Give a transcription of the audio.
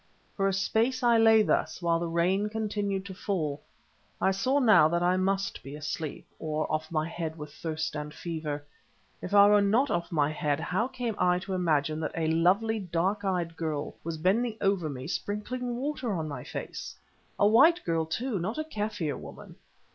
For a space I lay thus, while the rain continued to fall; I saw now that I must be asleep, or off my head with thirst and fever. If I were not off my head how came I to imagine that a lovely dark eyed girl was bending over me sprinkling water on my face? A white girl, too, not a Kaffir woman.